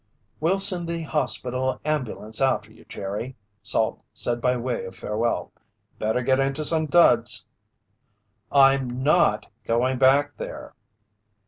"We'll send the hospital ambulance after you, Jerry," Salt said by way of farewell. "Better get into some duds." "I'm not going back there!"